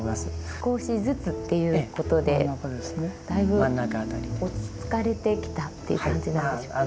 少しずつっていうことでだいぶ落ち着かれてきたっていう感じなんでしょうか。